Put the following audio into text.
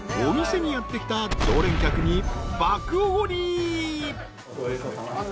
［お店にやって来た常連客に］